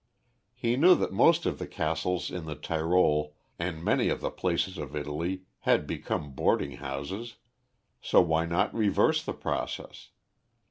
He knew that most of the castles in the Tyrol and many of the palaces of Italy had become boarding houses, so why not reverse the process?